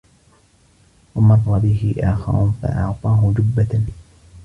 وَمَرَّ بِهِ آخَرُ فَأَعْطَاهُ جُبَّةً